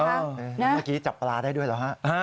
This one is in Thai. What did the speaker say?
แล้วเมื่อกี้จับปลาได้ด้วยเหรอฮะ